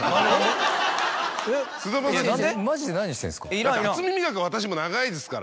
マジで何してんすか？